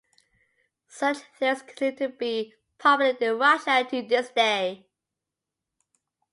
Such theories continue to be popular in Russia to this day.